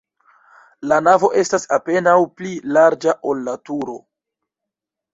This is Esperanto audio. La navo estas apenaŭ pli larĝa, ol la turo.